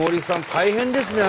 大変ですね